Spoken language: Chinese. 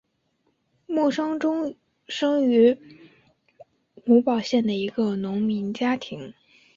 慕生忠生于吴堡县的一个农民家庭。